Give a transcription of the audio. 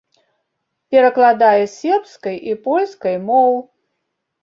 Перакладае з сербскай і польскай моў.